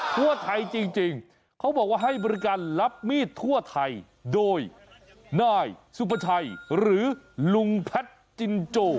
ทั่วไทยจริงเขาบอกว่าให้บริการรับมีดทั่วไทยโดยนายสุประชัยหรือลุงแพทย์จินโจ